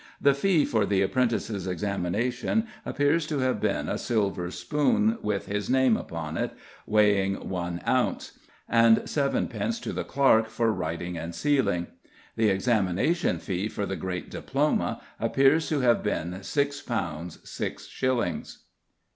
The fee for the apprentice's examination appears to have been a silver spoon, with his name upon it, weighing one ounce; and 7d. to the clerk for writing and seal. The examination fee for the great diploma appears to have been £6 6s.